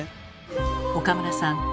岡村さん